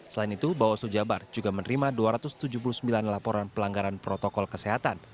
selain itu bawaslu jabar juga menerima dua ratus tujuh puluh sembilan laporan pelanggaran protokol kesehatan